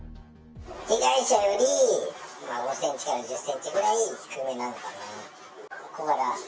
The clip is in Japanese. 被害者より、まあ５センチから１０センチぐらい低めなのかな、小柄。